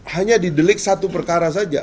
hanya didelik satu perkara saja